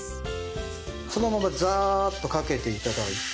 そのままザーッとかけて頂いて。